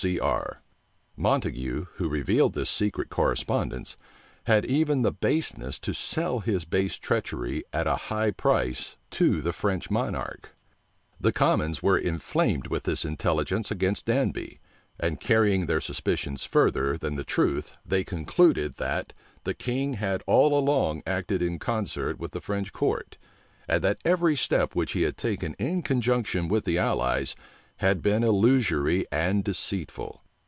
C. R." Montague, who revealed this secret correspondence, had even the baseness to sell his base treachery at a high price to the French monarch.[*] * Appendix to Sir John Dalrymple's Memoirs. The commons were inflamed with this intelligence against Danby; and carrying their suspicions further than the truth, they concluded, that the king had all along acted in concert with the French court; and that every step which he had taken in conjunction with the allies, had been illusory and deceitful.